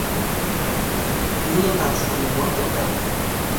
Кӱлынак шонен отыл дыр...